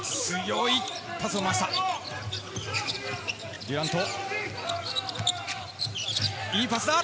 いいパスだ。